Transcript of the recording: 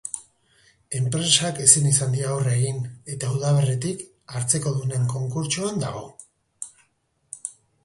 Enpresak ezin izan dio aurre egin, eta udaberritik, hartzekodunen konkurtsoan dago.